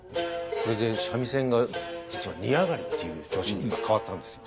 これで三味線が実は二上りっていう調子に変わったんですよ。